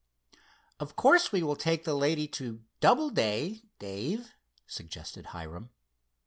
"Of course we will take the lady to Doubleday, Dave?" suggested Hiram.